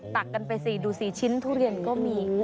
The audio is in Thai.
ตักกันไปสิดูสิชิ้นทุเรียนก็มี